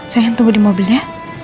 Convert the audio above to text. sayang tunggu di mobilnya